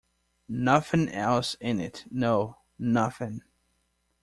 Nothing else in it — no, nothing!